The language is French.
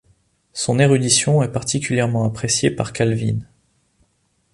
Son érudition est particulièrement appréciée par Calvin.